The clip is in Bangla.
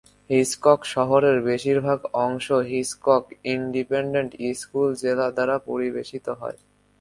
হিচকক শহরের বেশিরভাগ অংশ হিচকক ইন্ডিপেন্ডেন্ট স্কুল জেলা দ্বারা পরিবেশিত হয়।